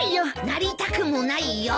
なりたくもないよ。